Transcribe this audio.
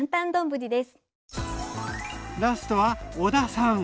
ラストは小田さん。